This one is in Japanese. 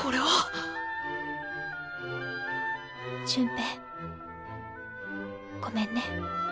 潤平ごめんね。